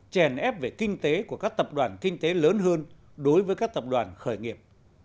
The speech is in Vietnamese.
chèn ép về kinh tế của các tập đoàn kinh tế lớn hơn đối với các tập đoàn khởi nghiệp